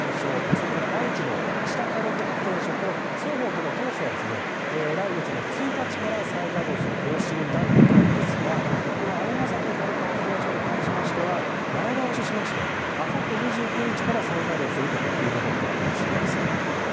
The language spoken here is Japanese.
それから愛知の知多火力発電所双方とも当初は来月の１日から再稼働する方針だったんですが姉崎火力発電所に関しましては前倒ししましてあさって２９日から再稼働することを発表してます。